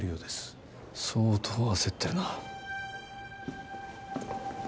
相当焦ってるな。